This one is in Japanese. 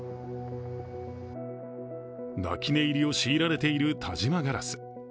泣き寝入りを強いられている田島硝子。